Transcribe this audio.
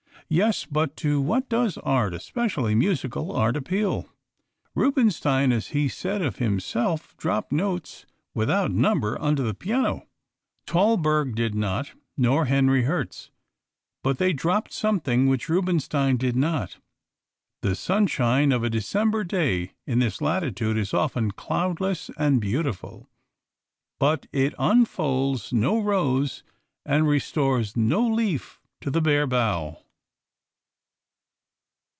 Yes, but to what does art, especially musical art, appeal? Rubinstein, as he said of himself, dropped notes without number under the piano. Thalberg did not, nor Henri Herz. But they dropped something which Rubinstein did not. The sunshine of a December day in this latitude is often cloudless and beautiful. But it unfolds no rose and restores no leaf to the bare bough.